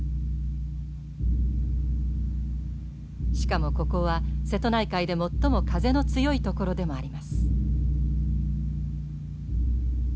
しかもここは瀬戸内海で最も風の強い所でもあります。